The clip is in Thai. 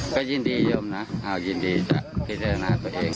ก็ยินดียมนะยินดีจะพิจารณาตัวเอง